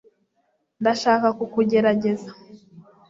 ndashaka kukugerageza